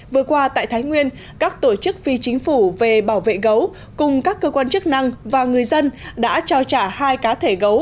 vừa qua tại thái nguyên các tổ chức phi chính phủ về bảo vệ gấu cùng các cơ quan chức năng và người dân đã trao trả hai cá thể gấu